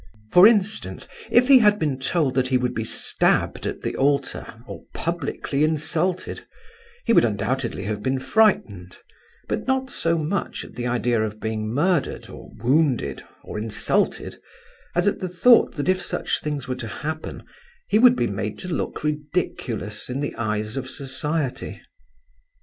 For instance, if he had been told that he would be stabbed at the altar, or publicly insulted, he would undoubtedly have been frightened; but not so much at the idea of being murdered, or wounded, or insulted, as at the thought that if such things were to happen he would be made to look ridiculous in the eyes of society.